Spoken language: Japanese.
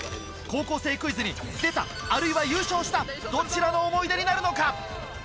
『高校生クイズ』に出たあるいは優勝したどちらの思い出になるのか？